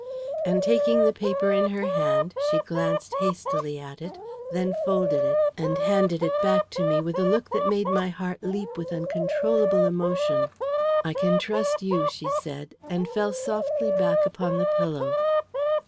And taking the paper in her hand, she glanced hastily at it, then folded it, and handed it back to me with a look that made my heart leap with uncontrollable emotion. "I can trust you," she said, and fell softly back upon the pillow.